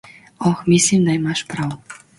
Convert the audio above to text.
Oh, mislim, da imaš prav.